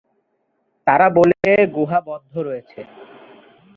তারা বলছে গুহা বন্ধ রয়েছে।